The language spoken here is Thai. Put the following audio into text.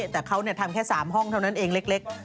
แต่เขาทำแค่๓ห้องเท่านั้นเองเล็ก